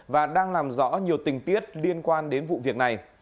và đang làm rõ nhiều tình tiết liên quan đến vụ việc này